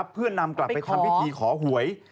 เพื่อนำกลับไปทำพิธีขอหวย